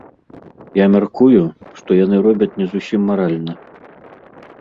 Я мяркую, што яны робяць не зусім маральна.